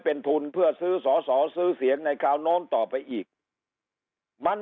เป็นทุนเพื่อซื้อสอสอซื้อเสียงในคราวโน้นต่อไปอีกมัน